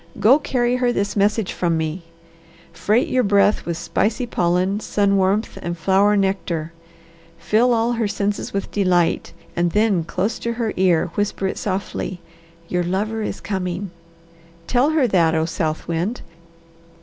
Go carry her this message from me. Freight your breath with spicy pollen, sun warmth, and flower nectar. Fill all her senses with delight, and then, close to her ear, whisper it softly, 'Your lover is coming!' Tell her that, O South Wind!